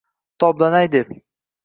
Toblanay deb